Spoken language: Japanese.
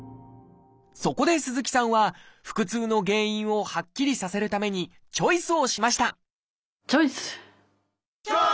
そこで鈴木さんは腹痛の原因をはっきりさせるためにチョイスをしましたチョイス！